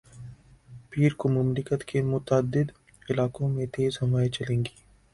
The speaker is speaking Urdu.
پیر کو مملکت کے متعدد علاقوں میں تیز ہوائیں چلیں گی